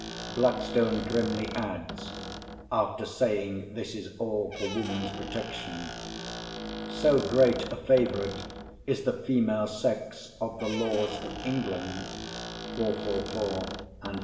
Blackstone grimly adds, after saying this is all for woman's protection: "So great a favourite is the female sex of the laws of England" (444 and 445).